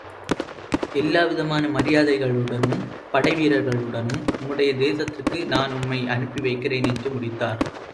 எல்லாவிதமான மரியாதைகளுடனும் படைவீரர்களுடனும் உம்முடைய தேசத்திற்கு நான் உம்மை அனுப்பி வைக்கிறேன் என்று முடித்தார்.